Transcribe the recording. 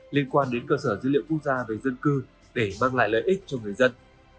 liên quan đến cơ sở dữ liệu quốc gia về dân cư để mang lại lợi ích cho người dân